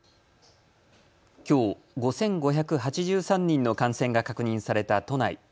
きょう５５８３人の感染が確認された都内。